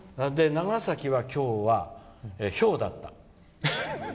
長崎は今日はひょうだった。